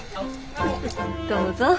どうぞ。